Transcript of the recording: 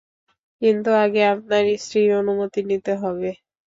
কিন্তু আগে আপনার স্ত্রীর অনুমতি নিতে হবে।